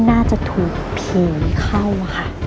มึงน่าจะถูกผีเข้าค่ะ